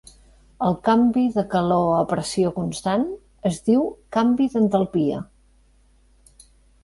El canvi de calor a pressió constant es diu canvi d'entalpia.